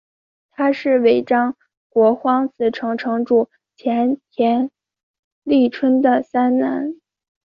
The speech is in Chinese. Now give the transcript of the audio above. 他是尾张国荒子城城主前田利春的三男。